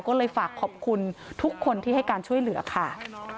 ก็เลยฝากขอบคุณทุกคนที่ให้การช่วยเหลือค่ะ